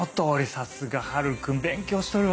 さすがハル君勉強しとるわ。